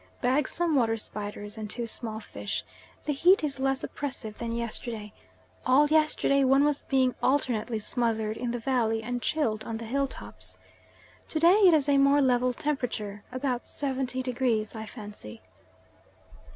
Bag some water spiders and two small fish. The heat is less oppressive than yesterday. All yesterday one was being alternately smothered in the valley and chilled on the hill tops. To day it is a more level temperature, about 70 degrees, I fancy.